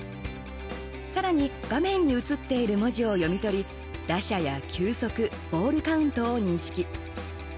さらに、画面に映っている文字を読み取り打者や球速ボールカウントを認識。